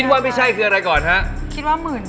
คิดว่าไม่ใช่คืออะไรก่อนฮะ